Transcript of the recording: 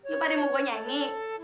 lo pada mau gue nyanyi